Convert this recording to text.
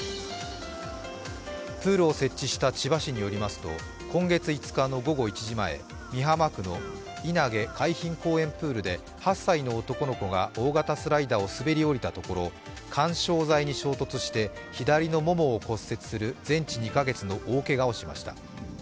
プールを設置した千葉市によりますと今月５日の午後１時前、美浜区の稲毛海浜公園プールで８歳の男の子が大型スライダーを滑りおりたところ、緩衝材に衝突して左のももを骨折する全治２カ月の大けがをしました。